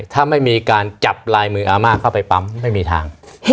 ถ้าไม่มีการจับลายมืออาม่าเข้าไปปั๊มไม่มีทาง